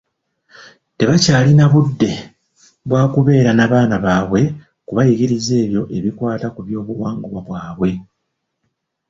Tebakyalina budde bwakubeera na baana baabwe kubayigiriza ebyo ebikwata ku byobuwanga bwabwe.